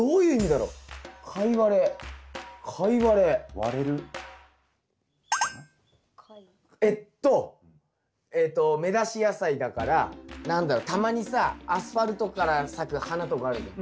割れる？えっとえっと芽出し野菜だから何だろたまにさアスファルトから咲く花とかあるじゃん。